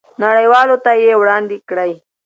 نړیوالو ته یې وړاندې کړئ.